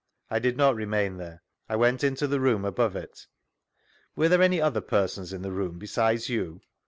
— I did not remain there ; I went into the room above it. Were there any other persons in the room be sides you?